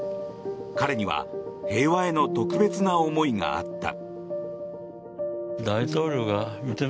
彼には平和への特別な思いがあった。